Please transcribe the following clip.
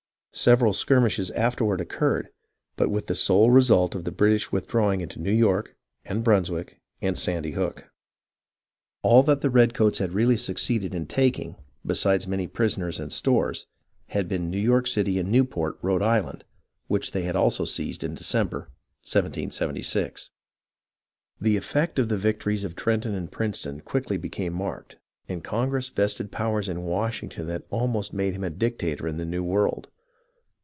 Several skirmishes afterward oc curred, but with the sole result of the British withdraw ing into New York, and Brunswick and Sandy Hook. All that the redcoats had really succeeded in taking, besides many prisoners and stores, had been New York City and TRENTON AND PRINCETON 147 Newport, Rhode Island, which they had also seized in .December, 1776. The effect of the victories of Trenton and Princeton quickly became marked, and Congress vested powers in Washington that almost made him a dictator in the new world.